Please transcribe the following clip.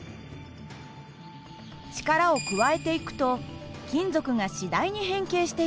力を加えていくと金属が次第に変形していきます。